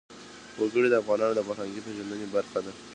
وګړي د افغانانو د فرهنګي پیژندنې برخه ده.